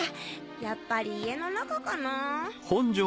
やっぱり家の中かなぁ。